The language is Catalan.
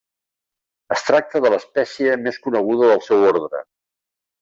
Es tracta de l'espècie més coneguda del seu ordre.